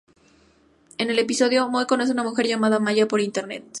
En el episodio, Moe conoce a una mujer llamada Maya por internet.